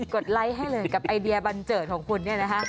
ดไลค์ให้เลยกับไอเดียบันเจิดของคุณเนี่ยนะคะ